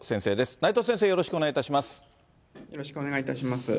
内藤先生、よろしくお願いいたします。